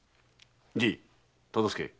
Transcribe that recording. じい忠相。